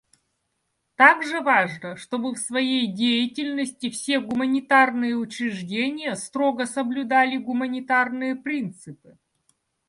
Также важно, чтобы в своей деятельности все гуманитарные учреждения строго соблюдали гуманитарные принципы.